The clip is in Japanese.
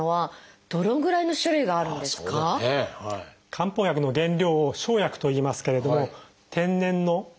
漢方薬の原料を生薬といいますけれども天然の原料で植物性